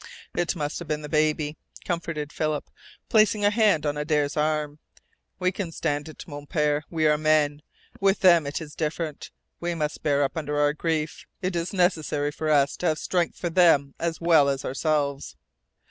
"It must have been the baby," comforted Philip, placing a hand on Adare's arm. "We can stand it, Mon Pere. We are men. With them it is different. We must bear up under our grief. It is necessary for us to have strength for them as well as ourselves."